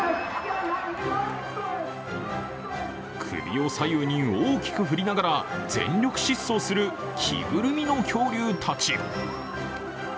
首を左右に大きく振りながら、全力疾走する着ぐるみの恐竜たち。